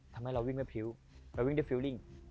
ทำให้เราวิ่งด้วยพริ้วเราวิ่งด้วยฟิลลิ่ง